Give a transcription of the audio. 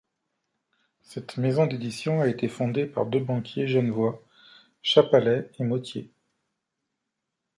Cette maison d'édition a été fondée par deux banquiers genevois, Chapalay et Mottier.